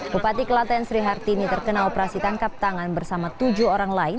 bupati kelaten sri hartini terkena operasi tangkap tangan bersama tujuh orang lain